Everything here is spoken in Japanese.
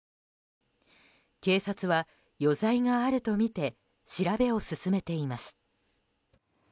警察は余罪があるとみて調べを進めています。